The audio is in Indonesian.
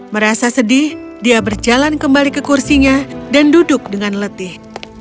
merasa sedih dia berjalan kembali ke kursinya dan duduk dengan letih